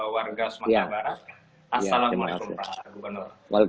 warga sumatera barat